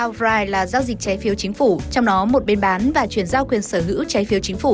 ba frise là giao dịch trái phiếu chính phủ trong đó một bên bán và chuyển giao quyền sở hữu trái phiếu chính phủ